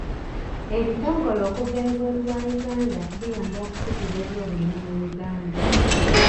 Ebitongole okuva ebweru wa Uganda biyamba okusitula ebyobulimi mu Uganda.